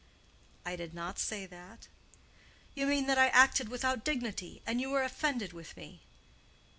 "I did not say that." "You mean that I acted without dignity, and you are offended with me."